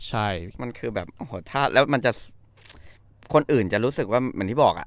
ใช่มันคือแบบโอ้โหถ้าแล้วมันจะคนอื่นจะรู้สึกว่าเหมือนที่บอกอ่ะ